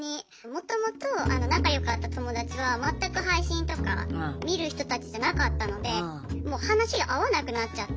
もともと仲良かった友達は全く配信とか見る人たちじゃなかったのでもう話が合わなくなっちゃって。